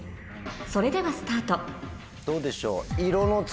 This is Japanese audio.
それではスタートどうでしょう？